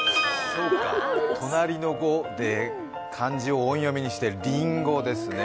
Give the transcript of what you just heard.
そうか、隣の５を漢字を音読みにしてりんごですね。